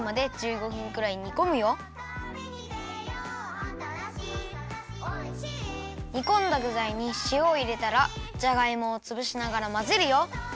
「たびにでよう」「あたらしい『おいしい』」にこんだぐざいにしおをいれたらじゃがいもをつぶしながらまぜるよ。